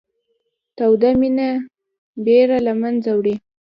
توده مینه بېره له منځه وړي